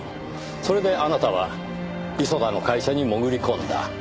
それであなたは磯田の会社に潜り込んだ。